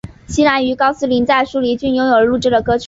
希兰于高斯林在舒梨郡拥有的里录制了歌曲。